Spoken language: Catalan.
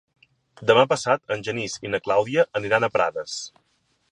Demà passat en Genís i na Clàudia aniran a Prades.